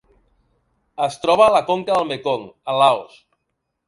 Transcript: Es troba a la conca del Mekong a Laos.